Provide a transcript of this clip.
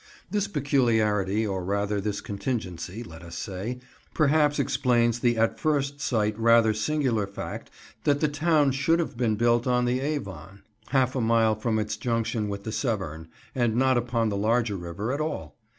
This peculiarity, or rather this contingency, let us say, perhaps explains the at first sight rather singular fact that the town should have been built on the Avon, half a mile from its junction with the Severn, and not upon the larger river at all.